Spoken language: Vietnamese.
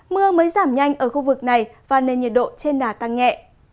mưa mới giảm nhanh ở khu vực này và nền nhiệt độ trên đà tăng nhẹ